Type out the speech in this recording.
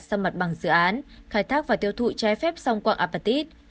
sau mặt bằng dự án khai thác và tiêu thụ trái phép xong quạng apatit